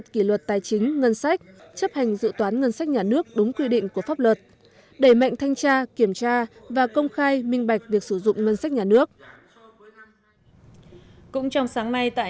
gồm bộ chi ngân sách trung ương là một trăm chín mươi năm tỷ đồng tương đương ba năm mươi bốn gdp